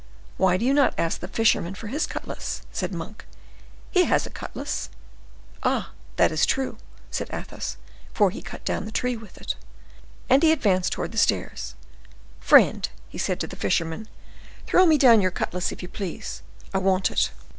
"Why do you not ask the fisherman for his cutlass?" said Monk; "he has a cutlass." "Ah! that is true," said Athos; "for he cut the tree down with it." And he advanced towards the stairs. "Friend," said he to the fisherman, "throw me down your cutlass, if you please; I want it."